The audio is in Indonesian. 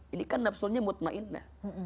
ini kan nafsunya mutmainnah